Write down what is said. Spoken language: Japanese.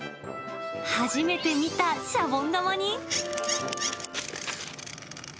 初めて見たシャボン玉に。